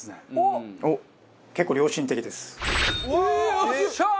よっしゃー！